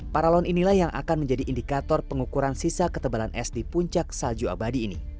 paralon inilah yang akan menjadi indikator pengukuran sisa ketebalan es di puncak salju abadi ini